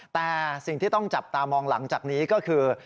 แต่สิ่งที่ต้องจับตามองหลังจากนี้ก็คือ